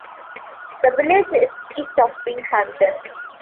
The village is east of Binghamton.